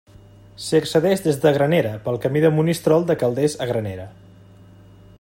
S'hi accedeix des de Granera pel Camí de Monistrol de Calders a Granera.